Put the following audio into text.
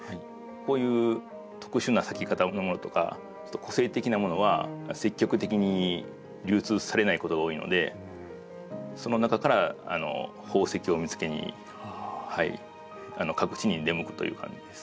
こういう特殊な咲き方のものとかちょっと個性的なものは積極的に流通されないことが多いのでその中から宝石を見つけに各地に出向くという感じです。